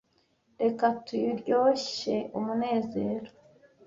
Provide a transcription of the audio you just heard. reka turyoshe umunezero